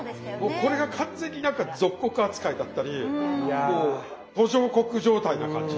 もうこれが完全に何か属国扱いだったりもう途上国状態な感じ。